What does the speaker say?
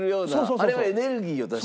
あれはエネルギーを出して？